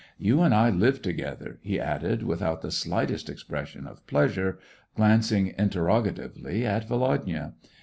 "You and I lived together," he added, without the slightest expression of pleasure, glancing in terrogatively at Volodya.